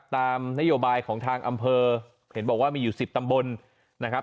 ตามนโยบายของทางอำเภอเห็นบอกว่ามีอยู่๑๐ตำบลนะครับ